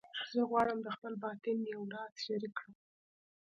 زه غواړم د خپل باطن یو راز شریک کړم